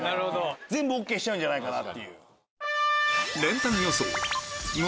全部ＯＫしちゃうんじゃないかな。